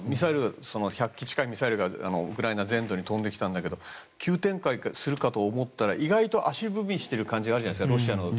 １００基近いミサイルがウクライナ全土に飛んできたんだけど急展開するかと思ったら意外と足踏みしている感じがあるじゃないですか。